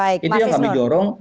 itu yang kami jorong